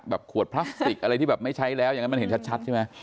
ขวดพลาสติกอะไรที่แบบไม่ใช้แล้วอย่างนั้นมันเห็นชัดใช่ไหม